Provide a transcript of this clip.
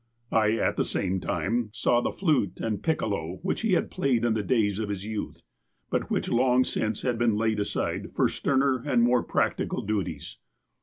I, at the same time, saw the flute and piccolo which he had played in the days of his youth, but which long since had been laid aside for sterner and more practical duties.